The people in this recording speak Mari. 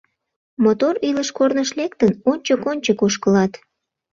Мотор илыш-корныш лектын, ончык-ончык ошкылат